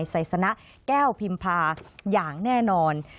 ไซสนะแก้วพิมพาอย่างแน่นอน